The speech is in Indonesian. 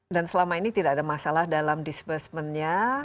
dan selama ini tidak ada masalah dalam disbursementnya